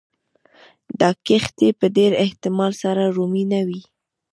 دا کښتۍ په ډېر احتمال سره رومي نه وې